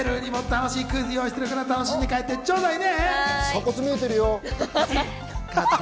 楽しいクイズも用意しているから楽しんでいって頂戴ね。